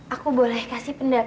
aku boleh kasih pendapat